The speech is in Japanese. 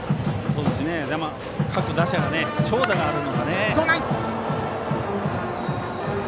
各打者が長打があるので。